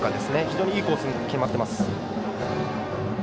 非常にいいコースに決まっています。